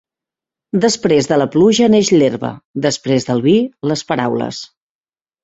Després de la pluja neix l'herba, després del vi, les paraules.